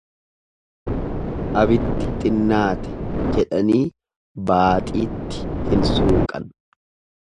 Abiddi xinnaate jedhanii baaxitti hin suuqan.